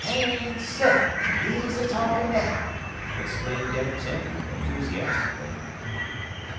'" "Man Sir! he's a talkin' now!" exclaimed Aunt Tempy, enthusiastically.